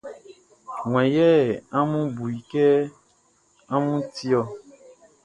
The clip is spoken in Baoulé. Wan yɛ amun bu i kɛ amun ti ɔ?